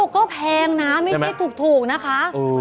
ก็แพงนะไม่ใช่ถูกนะคะ